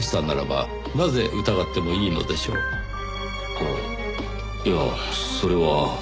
あっいやそれは。